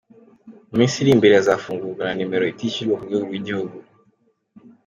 Mu minsi iri imbere hazafungurwa na nimero itishyurwa ku rwego rw’igihugu.